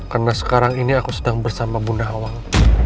karena sekarang ini aku sedang bersama bunda awang